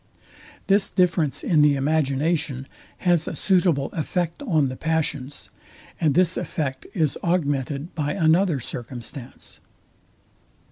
This difference in the imagination has a suitable effect on the passions; and this effect is augmented by another circumstance.